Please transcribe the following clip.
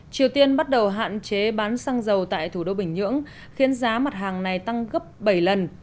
triều tiên bắt đầu hạn chế bán xăng dầu tại thủ đô bình nhưỡng khiến giá mặt hàng này tăng gấp bảy lần